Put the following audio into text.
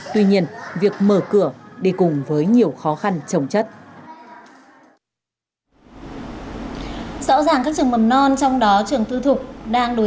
tuy nhiên việc mở cửa lại